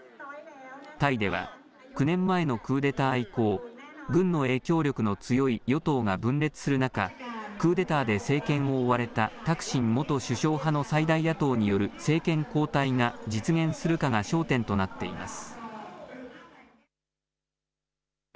タイでは、９年前のクーデター以降、軍の影響力の強い与党が分裂する中、クーデターで政権を追われたタクシン元首相派の最大野党による政権交代が実現するかが焦点となっています。